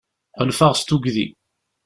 Ḥulfaɣ s tugdi.